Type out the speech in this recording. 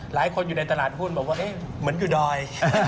หลายคนอยู่ในตลาดหุ้นบอกว่าเหมือนอยู่ดอย